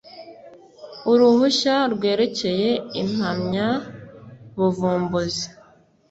uruhushya rwerekeye impamyabuvumbuzi